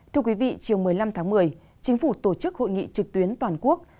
thưa quý vị chiều một mươi năm tháng một mươi chính phủ tổ chức hội nghị trực tuyến toàn quốc